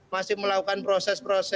masih melakukan proses proses